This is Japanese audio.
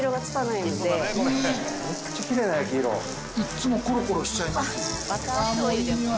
いっつもコロコロしちゃいます。